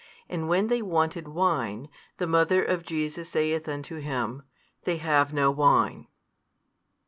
And when they wanted wine, the mother of Jesus saith unto Him, They have no wine.